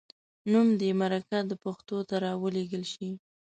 نوم دې مرکه د پښتو ته راولیږل شي.